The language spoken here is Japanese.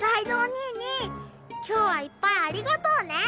にー今日はいっぱいありがとうね。